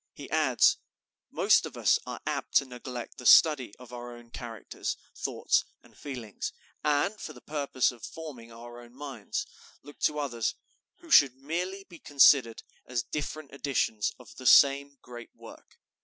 He adds: "Most of us are apt to neglect the study of our own characters, thoughts, and feelings, and, for the purpose of forming our own minds, look to others, who should merely be considered as different editions of the same great work.